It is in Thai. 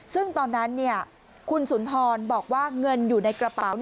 ซึ่งตอนนั้นคุณสุนทรบอกว่าเงินอยู่ในกระเป๋า